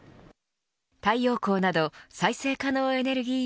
太陽光など再生可能エネルギー